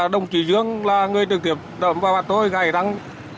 đồng chỉ dưỡng là người trường tiệp và tôi gài đăng